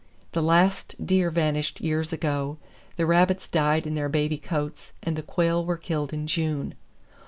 The last deer vanished years ago, the rabbits died in their baby coats and the quail were killed in June.